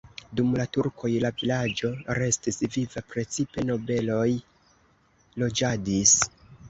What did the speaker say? Dum la turkoj la vilaĝo restis viva, precipe nobeloj loĝadis.